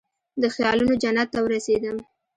د خیالونوجنت ته ورسیدم